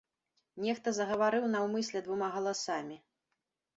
Нехта загаварыў наўмысля двума галасамі.